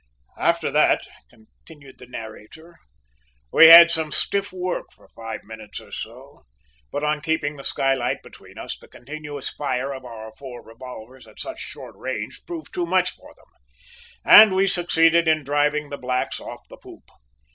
"After that," continued the narrator, we had some stiff work for five minutes or so, but by keeping the skylight between us, the continuous fire of our four revolvers at such short range proved too much for them, and we succeeded in driving the blacks off the poop.